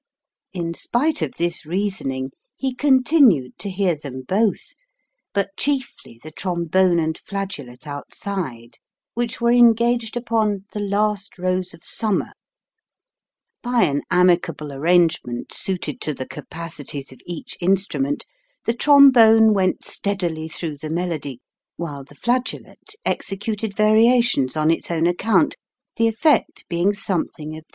In spite of this reasoning he continued to hear them both, but chiefly the trombone and flageolet outside, which were engaged upon "The Last Rose of Summer:" by an amicable arrangement, suited to the capacities of each instrument, the trombone went steadily through the melody, while the flageolet executed variations on its own account, the effect being some thing of this kind : 10 Reduce the answer to semiquavers.